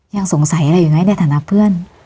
ยังสงสัยอะไรอยู่ไหมในฐานะเพื่อน